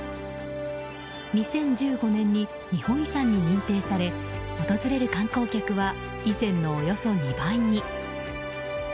２０１５年に日本遺産に認定され訪れる観光客は以前のおよそ２倍に。